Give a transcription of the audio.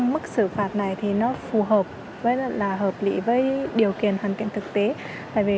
mức phạt này phù hợp hợp lý với điều kiện hoàn cảnh thực tế